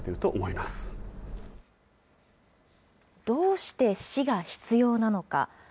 どうして死が必要なのか。